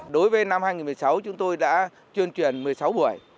đối với năm hai nghìn một mươi sáu chúng tôi đã truyền truyền một mươi sáu buổi